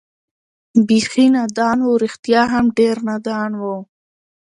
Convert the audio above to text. بېخي نادان و، رښتیا هم ډېر نادان و.